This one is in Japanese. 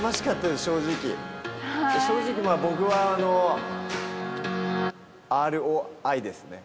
正直僕はＲＯＩですね。